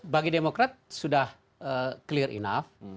bagi demokrat sudah clear enough